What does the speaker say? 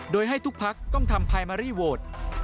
โดยให้ทุกภาคต้องทำไพมารี่โวท